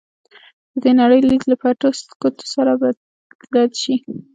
د دې نړۍ لید له پټو ګوټونو سره بلد شي.